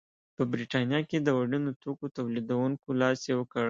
په برېټانیا کې د وړینو توکو تولیدوونکو لاس یو کړ.